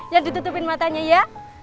yang ditutupin matanya ya